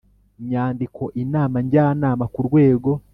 nyandiko Inama Njyanama ku rwego